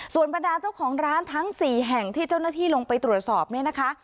ส่วนบรรดาเจ้าของร้านทั้ง๔แห่งที่เจ้าหน้าที่ลงไปตรวจสอบเนี่ยนะคะ